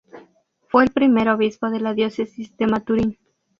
Fue el primer obispo de la Diócesis de Maturín.